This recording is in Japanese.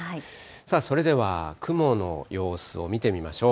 さあ、それでは雲の様子を見てみましょう。